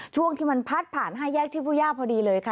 ช่วงที่มันพัดผ่าน๕แยกที่ผู้ย่าพอดีเลยค่ะ